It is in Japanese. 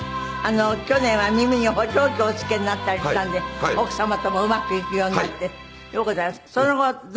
去年は耳に補聴器をおつけになったりしたんで奥様ともうまくいくようになってようございました。